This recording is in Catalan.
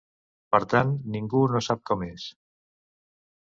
Per tant, ningú no sap com és.